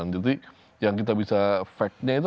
jadi yang kita bisa fakta itu